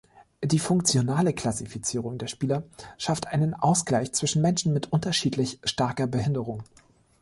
Die funktionale Klassifizierung der Spieler schafft einen Ausgleich zwischen Menschen mit unterschiedlich starker Behinderung.